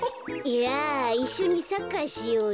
いっしょにサッカーしようよ。